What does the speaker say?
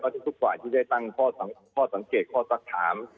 ทุกฝ่ายที่ได้ตั้งข้อสังเกตข้อสักถาม